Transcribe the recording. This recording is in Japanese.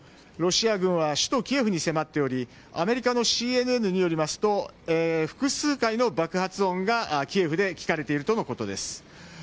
ロシア軍は首都キエフに迫っておりアメリカのＣＮＮによりますと複数回の爆発音がキエフで聞かれているとのことです。